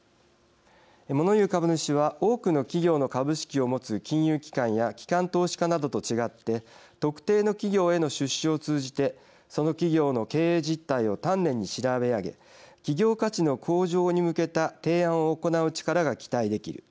もの言う株主は多くの企業の株式を持つ金融機関や機関投資家などと違って特定の企業への出資を通じてその企業の経営実態を丹念に調べ上げ企業価値の向上に向けた提案を行う力が期待できる。